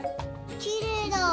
きれいだ。